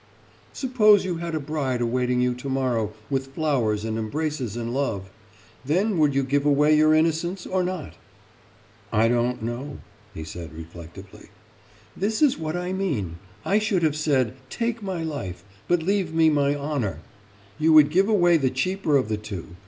« »Supposing you had a bride awaiting you tomorrow with flowers and embraces and love, then would you give away your innocence, or not?« »I don't know,« he said reflectively. »This is what I mean. I should have said: Take my life, but leave me my honour. You would give away the cheaper of the two.